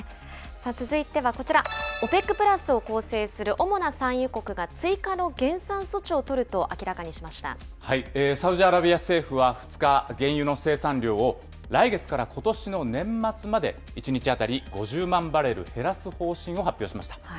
続いてはこちら、ＯＰＥＣプラスを構成する主な産油国が追加の減サウジアラビア政府は２日、原油の生産量を来月からことしの年末まで１日当たり５０万バレル減らす方針を発表しました。